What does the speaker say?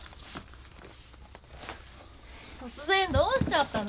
突然どうしちゃったの？